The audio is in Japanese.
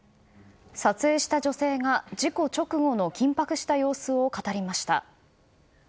撮影した女性が事故直後の緊迫した様子を語りました。